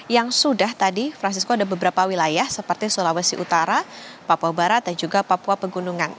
yang sudah tadi francisco ada beberapa wilayah seperti sulawesi utara papua barat dan juga papua pegunungan